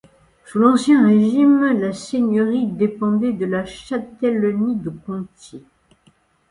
Sous l'Ancien Régime, la seigneurie dépendait de la châtellenie de Conty.